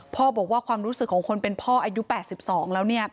พ่อบอกว่าความรู้สึกของคนเป็นพ่ออายุ๘๒แล้วเนี่ย